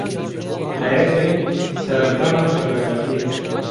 Heyetê seredana şaredariyê kir.